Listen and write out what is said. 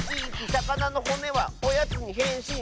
「さかなのほねはおやつにへんしん」